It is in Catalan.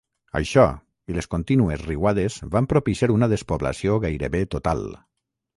Això i les contínues riuades van propiciar una despoblació gairebé total.